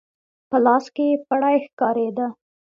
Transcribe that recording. په لاس کې يې پړی ښکارېده.